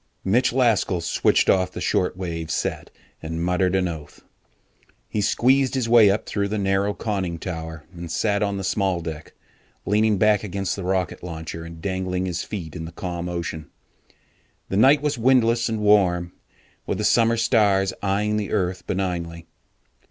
'" Mitch Laskell switched off the short wave set and muttered an oath. He squeezed his way up through the narrow conning tower and sat on the small deck, leaning back against the rocket launcher and dangling his feet in the calm ocean. The night was windless and warm, with the summer stars eyeing the earth benignly.